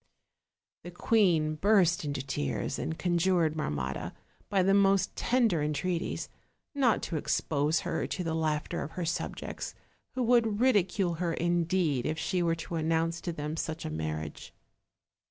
The queen burst into tears, and conjured Marmotta, by the most tender entreaties, not to expose her to the laughter of her subjects, who would ridicule her indeed if she were to announce to them such a marriage.